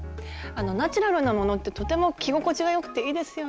ナチュラルなものってとても着心地がよくていいですよね。